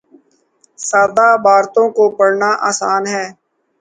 سادہ عبارتوں کو پڑھنا آسان ہے